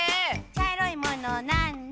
「ちゃいろいものなんだ？」